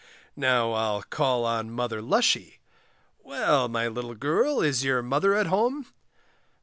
Now, I'll call on Mother Lushy. Well, my little girl, is your mother at home?